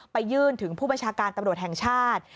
ยื่นถึงผู้บัญชาการตำรวจแห่งชาติ